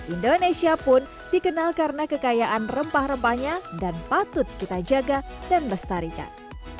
indonesia pun dikenal karena kekayaan rempah rempahnya dan patut kita jaga dan lestarikan